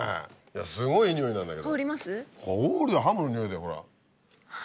すごいいい匂いなんだけど。